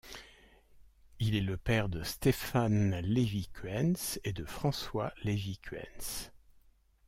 Il est le père de Stéphan Lévy-Kuentz et de François Lévy-Kuentz.